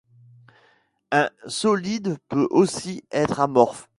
Un solide peut aussi être amorphe.